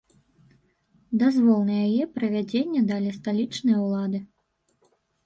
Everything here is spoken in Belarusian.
Дазвол на яе правядзенне далі сталічныя ўлады.